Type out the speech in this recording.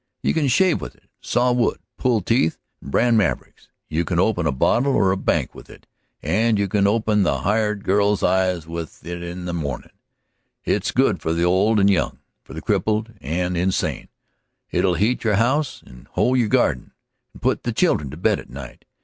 "You can shave with it and saw wood, pull teeth and brand mavericks; you can open a bottle or a bank with it, and you can open the hired gal's eyes with it in the mornin'. It's good for the old and the young, for the crippled and the in sane; it'll heat your house and hoe your garden, and put the children to bed at night.